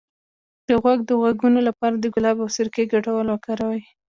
د غوږ د غږونو لپاره د ګلاب او سرکې ګډول وکاروئ